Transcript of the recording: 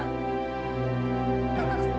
anak saya satu satunya